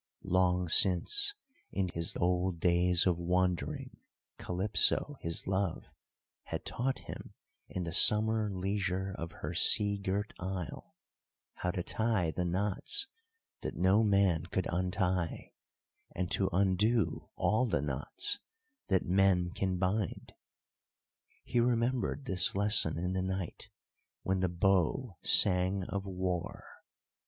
Long since, in his old days of wandering, Calypso, his love, had taught him in the summer leisure of her sea girt isle how to tie the knots that no man could untie, and to undo all the knots that men can bind. He remembered this lesson in the night when the bow sang of war.